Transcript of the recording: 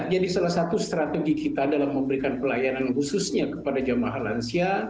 jadi salah satu strategi kita dalam memberikan pelayanan khususnya kepada jemaah halansia